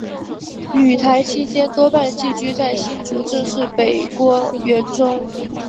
旅台期间多半寄居在新竹郑氏北郭园中。